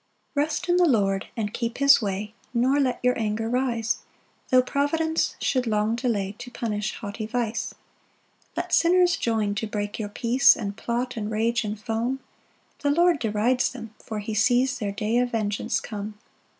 PAUSE. 7 Rest in the Lord and keep his way, Nor let your anger rise, Tho' providence should long delay To punish haughty vice. 8 Let sinners join to break your peace, And plot, and rage, and foam; The Lord derides them, for he sees Their day of vengeance come.